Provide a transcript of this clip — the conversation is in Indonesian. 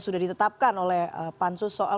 sudah ditetapkan oleh pansus soal